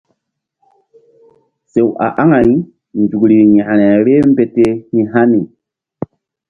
Sew a aŋay nzukri yȩkre vbeh mbete hi̧ hani.